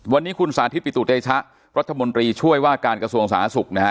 วันนี้คุณสาธิตปิตุเตชะรัฐมนตรีช่วยว่าการกระทรวงสาธารณสุขนะฮะ